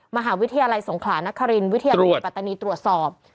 มหาวิทยาลัยสงขลานครินวิทยาลัยปัตตานีตรวจสอบ